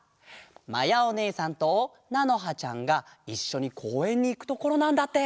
まやおねえさんとなのはちゃんがいっしょにこうえんにいくところなんだって！